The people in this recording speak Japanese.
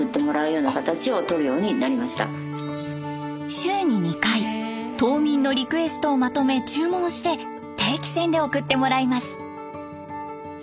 週に２回島民のリクエストをまとめ注文して定期船で送ってもらいます。